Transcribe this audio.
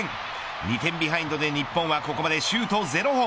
２点ビハインドで日本は、ここまでシュート０本。